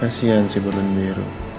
kasihan si berun biru